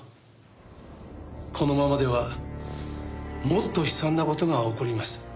このままではもっと悲惨な事が起こります。